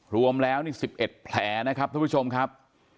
รวมแล้วนี่๑๑แผลนะครับท่านผู้ชมครับ